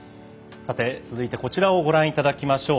さて続いて、こちらをご覧いただきましょう。